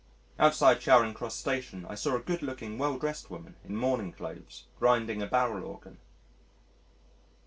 Outside Charing Cross Station I saw a good looking, well dressed woman in mourning clothes, grinding a barrel organ....